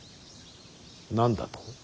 何だと。